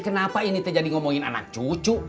kenapa ini teh jadi ngomongin anak cucu